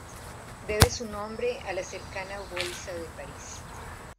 Debe su nombre a la cercana Bolsa de París.